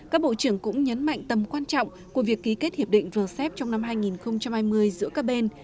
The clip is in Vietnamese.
các bộ trưởng cũng nhấn mạnh tầm quan trọng của việc ký kết hiệp định vừa xếp trong năm hai nghìn hai mươi giữa các bên